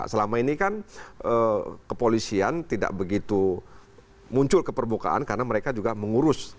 selama ini kan kepolisian tidak begitu muncul ke permukaan karena mereka juga mengurus